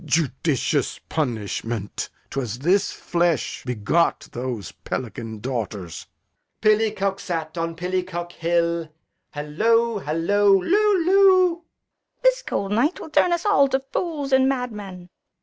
Judicious punishment! 'Twas this flesh begot Those pelican daughters. Edg. Pillicock sat on Pillicock's Hill. 'Allow, 'allow, loo, loo! Fool. This cold night will turn us all to fools and madmen.